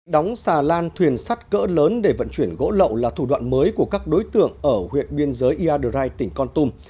đóng xà lan thuyền sắt cỡ lớn để vận chuyển gỗ lậu là thủ đoạn mới của các đối tượng ở huyện biên giới iadrai tỉnh con tum